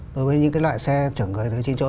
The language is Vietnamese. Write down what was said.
đối với những loại xe trưởng gửi từ trên chỗ